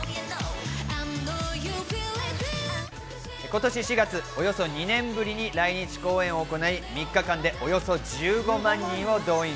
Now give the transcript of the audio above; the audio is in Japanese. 今年４月、およそ２年ぶりに来日公演を行い、３日間でおよそ１５万人を動員。